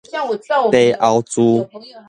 茶甌苴